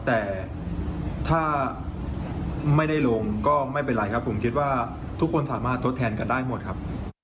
แต่ถ้าไม่ได้ลงก็ไม่เป็นไรครับผมคิดว่าทุกคนสามารถทดแทนกันได้หมดครับ